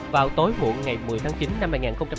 vào tối muộn ngày một mươi tháng chín năm hai nghìn một mươi bốn